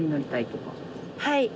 はい。